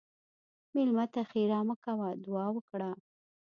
مېلمه ته ښیرا مه کوه، دعا وکړه.